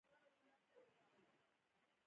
د اجماع موضوع په نمونو کې ګڼلای شو